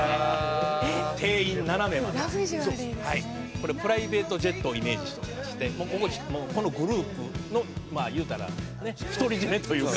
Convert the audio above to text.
「これプライベートジェットをイメージしておりましてここもこのグループのまあ言うたらね独り占めというか」